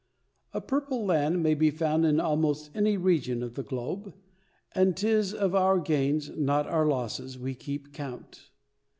A purple land may be found in almost any region of the globe, and 'tis of our gains, not our losses, we keep count.